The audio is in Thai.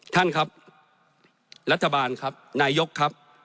ท่านครับรัฐบาลครับนายกครับ